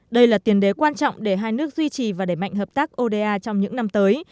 đây là tiền đế quan trọng để hai nước duy trì và đẩy mạnh hợp tác oda trong những năm tới